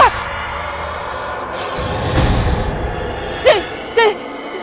kenapa gue jadi merinding ya